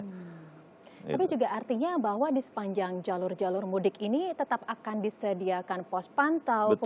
tapi juga artinya bahwa di sepanjang jalur jalur mudik ini tetap akan disediakan pos pantauan